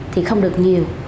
thì không được nhiều